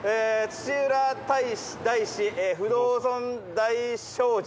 土浦大師不動尊大聖寺。